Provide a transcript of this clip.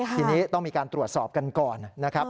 ทีนี้ต้องมีการตรวจสอบกันก่อนนะครับ